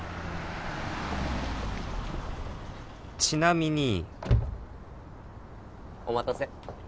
ちなみにお待たせ。